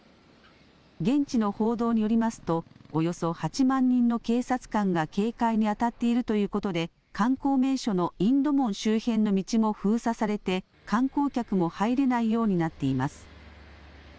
現地の報道によりますとおよそ８万人の警察官が警戒に当たっているということで観光名所のインド門周辺の道も封鎖されて観光客も入れないようになっています。